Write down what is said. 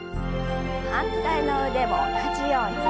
反対の腕も同じように。